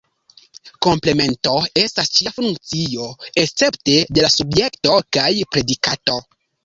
Komplemento estas ĉia funkcio, escepte de la subjekto kaj predikato.